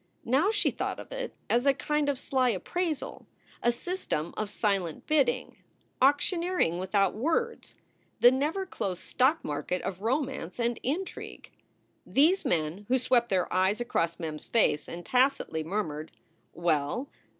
Now she thought of it as a kind of sly appraisal, a system of silent bidding, auctioneering without words the never closed stock market of romance and intrigue. These men, who swept their eyes across Mem s face and tacitly murmured, "Well?"